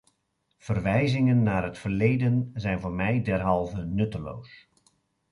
Verwijzingen naar het verleden zijn voor mij derhalve nutteloos.